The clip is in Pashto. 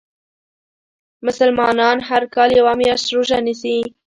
مسلمانان هر کال یوه میاشت روژه نیسي .